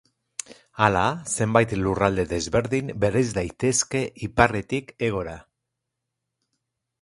Hala, zenbait lurralde desberdin bereiz daitezke iparretik hegora.